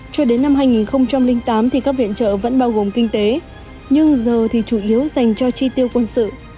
cho đến năm hai nghìn tám thì các viện trợ vẫn bao gồm kinh tế nhưng giờ thì chủ yếu dành cho chi tiêu quân sự